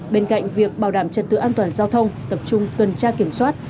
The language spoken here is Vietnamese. bên cạnh việc bảo đảm trật tự an toàn giao thông tập trung tuần tra kiểm soát